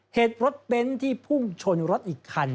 เหตุรถเบนท์ที่พุ่งชนรถอีกคัน